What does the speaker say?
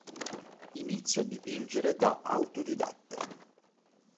Inizia a dipingere da autodidatta.